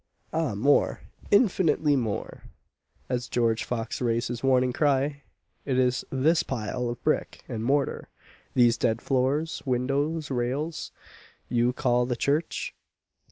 Ah more, infinitely more; (As George Fox rais'd his warning cry, "Is it this pile of brick and mortar, these dead floors, windows, rails, you call the church?